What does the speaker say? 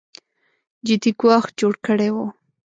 جدي ګواښ جوړ کړی و